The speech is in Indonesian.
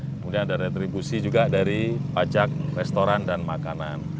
kemudian ada retribusi juga dari pajak restoran dan makanan